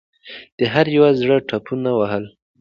د هر یوه زړه ټوپونه وهل.